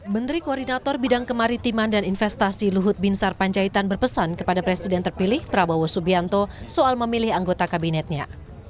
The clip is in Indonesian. menteri koordinator bidang kemaritiman dan investasi luhut binsar panjaitan berpesan kepada presiden terpilih prabowo subianto soal memilih anggota kabinetnya